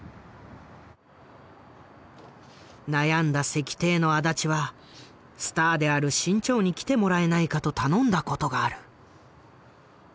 悩んだ席亭の足立はスターである志ん朝に来てもらえないかと頼んだことがある。